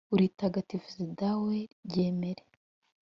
uritagatifuze dawe, ryemere